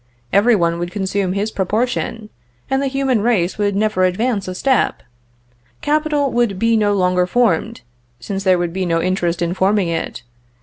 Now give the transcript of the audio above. Every one would consume his proportion, and the human race would never advance a step. Capital would be no longer formed, since there would be no interest in forming it.